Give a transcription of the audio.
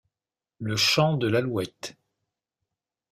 Le Champ de l’Alouette